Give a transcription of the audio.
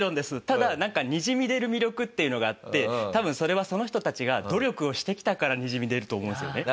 ただなんかにじみ出る魅力っていうのがあって多分それはその人たちが努力をしてきたからにじみ出ると思うんですよね。